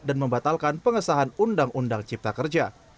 dan membatalkan pengesahan undang undang cipta kerja